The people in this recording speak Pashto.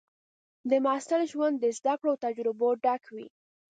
د محصل ژوند د زده کړو او تجربو ډک وي.